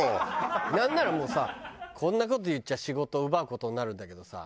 なんならもうさこんな事言っちゃ仕事奪う事になるんだけどさ